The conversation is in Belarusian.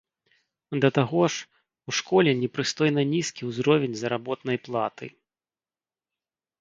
Да таго ж, у школе непрыстойна нізкі ўзровень заработнай платы.